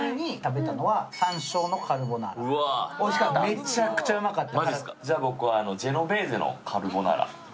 めちゃくちゃうまかった。